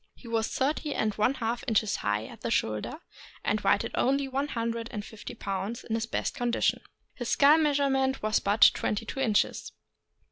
He was thirty and one half inches high at the shoulder, and weighed only one hundred and fifty pounds in his best condition. His skull measurement was but twenty two inches.